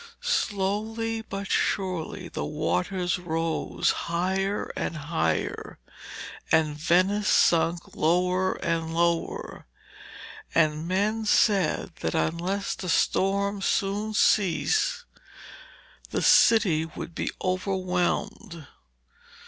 Slowly but surely the waters rose higher and higher, and Venice sunk lower and lower, and men said that unless the storm soon ceased the city would be overwhelmed.